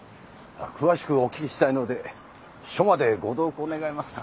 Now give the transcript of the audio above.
詳しくお聞きしたいので署までご同行願えますか？